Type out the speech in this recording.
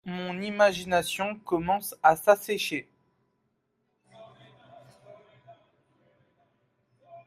Mon imagination commence à s'assécher